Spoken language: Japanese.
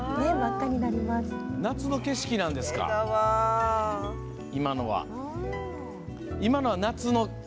夏の景色なんですか今のは。